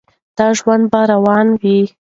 دا ژوند به روان وي.